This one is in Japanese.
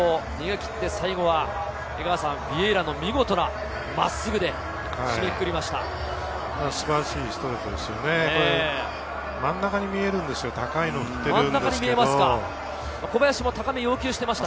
逃げ切って最後は江川さん、ビエイラの見事な真っすぐで締めくくりました。